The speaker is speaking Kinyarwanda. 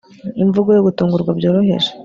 Imvugo yo gutungurwa byoroheje